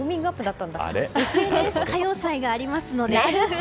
「ＦＮＳ歌謡祭」がありますので。